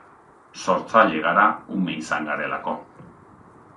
Sortzaile gara ume izan garelako.